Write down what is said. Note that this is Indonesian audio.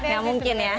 gak mungkin ya